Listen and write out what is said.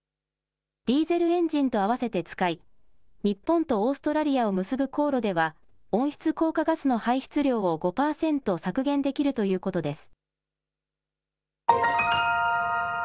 ディーゼルエンジンと併せて使い、日本とオーストラリアを結ぶ航路では、温室効果ガスの排出量を５％削減できるということです。